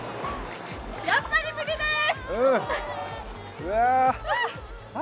やっぱり無理です。